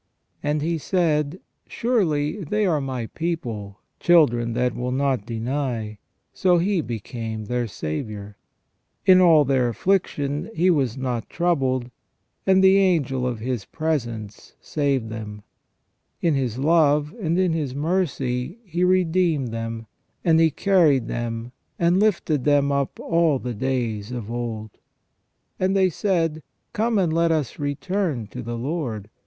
" And He said : Surely they are My people, children that will not deny ; so He became their Saviour. In all their affliction He was not troubled, and the angel of His presence saved them. In His love and in His mercy He redeemed them, and He carried them, and lifted them up all the days of old." * And they said :" Come, and let us return to the Lord ; for * Isaias, c. Ixiii.